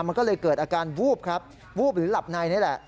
มันก็เลยเกิดอาการวูบครับวูบหรือหลับในนี่แหละ